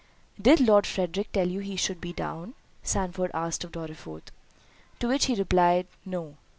"Did Lord Frederick tell you he should be down?" Sandford asked of Dorriforth. To which he replied, "No."